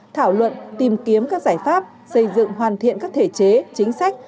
thảo luận tìm kiếm các giải pháp xây dựng hoàn thiện các thể chế chính sách